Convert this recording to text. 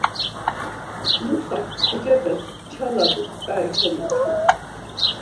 Nusak pucepes nçala do tzǩai komeçu.